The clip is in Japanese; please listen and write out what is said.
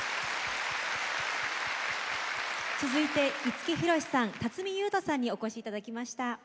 続いて五木ひろしさん辰巳ゆうとさんにお越しいただきました。